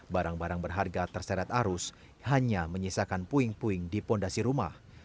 barang barang berharga terseret arus hanya menyisakan puing puing di fondasi rumah